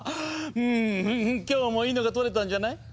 んんん今日もいいのが撮れたんじゃない？